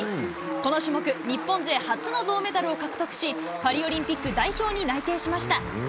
この種目、日本勢初の銅メダルを獲得し、パリオリンピック代表に内定しました。